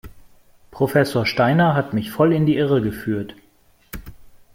Professor Steiner hat mich voll in die Irre geführt.